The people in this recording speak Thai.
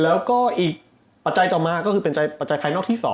แล้วก็อีกปัจจัยต่อมาก็คือเป็นปัจจัยภายนอกที่๒